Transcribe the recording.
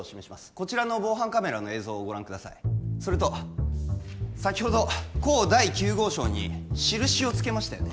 こちらの防犯カメラの映像をご覧くださいそれと先ほど甲第９号証に印をつけましたよね？